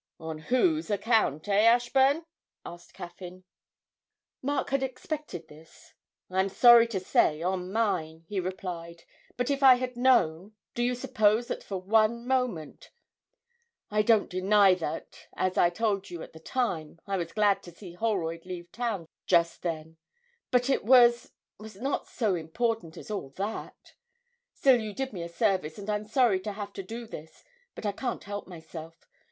'On whose account eh, Ashburn?' asked Caffyn. Mark had expected this. 'I'm sorry to say on mine,' he replied; 'but if I had known, do you suppose that for one moment I don't deny that, as I told you at the time, I was glad to see Holroyd leave town just then; but it was was not so important as all that! Still you did me a service, and I'm sorry to have to do this, but I can't help myself.